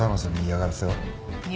嫌がらせ？